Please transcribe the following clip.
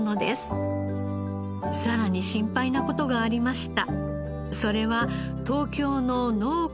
さらに心配な事がありました。